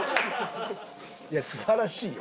いや素晴らしいよ？